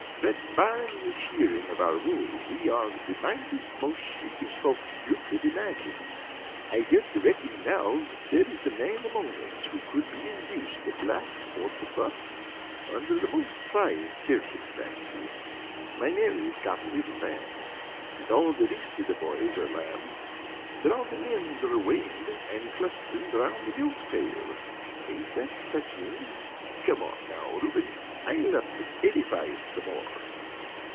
But barrin' the shearin' of our wool, we are the mildest, most sheepish fellows you could imagine. I don't reckon now there is a man among us who could be induced to blat or to butt, under the most tryin' circumstances. My Mary's got a little lamb, and all the rist of the boys are lambs. But all the lambs are waned, and clusterin' round the milk pail. Ain't that touchin'? Come on, now, Ruben, ile up and edify us some more!"